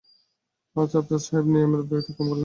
আজ আফসার সাহেব নিয়মের ব্যতিক্রম করলেন।